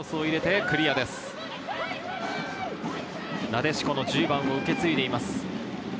なでしこの１０番を受け継いでいます。